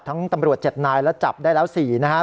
ทั้งตำรวจเจ็ดนายและจับได้แล้วสี่นะฮะ